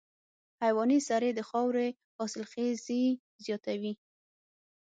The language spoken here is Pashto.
حیواني سرې د خاورې حاصلخېزي زیاتوي.